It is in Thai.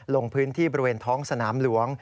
ลงพื้นที่บริเวณท้องสนามหลวง